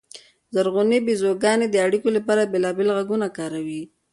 زرغونې بیزوګانې د اړیکو لپاره بېلابېل غږونه کاروي.